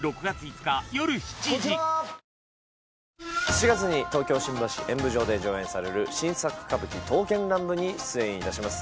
７月に東京新橋演舞場で上演される新作歌舞伎『刀剣乱舞』に出演いたします。